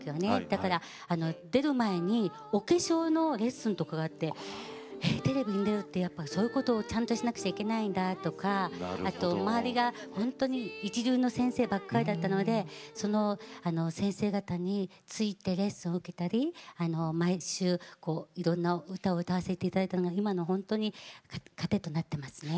だから出る前にお化粧のレッスンとかがあってテレビに出るってそういうことをちゃんとしなくちゃいけないんだとかあと周りが本当に一流の先生ばっかりだったのでその先生方についてレッスンを受けたり毎週いろんな歌を歌わせて頂いたのが今のほんとに糧となってますね。